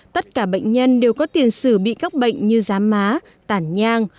tất cả bệnh nhân đều có tiền sử bị các bệnh như giám má tản nhang